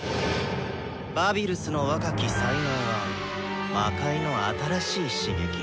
バビルスの若き才能は魔界の新しい刺激。